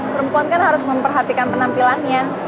perempuan kan harus memperhatikan penampilannya